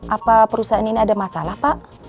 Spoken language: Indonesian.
apa perusahaan ini ada masalah pak